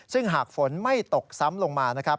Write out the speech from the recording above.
ซึ่งหากฝนไม่ตกซ้ำลงมานะครับ